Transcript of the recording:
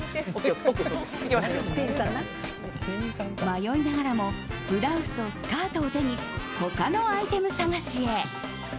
迷いながらもブラウスとスカートを手に他のアイテム探しへ。